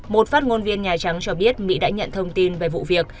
một phát ngôn viên nhà trắng cho biết mỹ đã nhận thông tin về vụ việc